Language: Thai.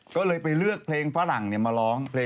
ก็เลยไปเลือกเพลงฝรั่งเนี่ยมาร้อง